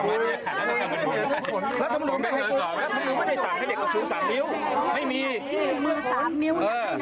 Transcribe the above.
เขาไม่ได้สามนิ้ว